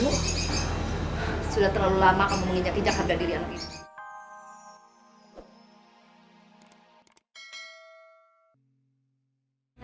sudah terlalu lama kamu menginjati jakarta diri anak ibu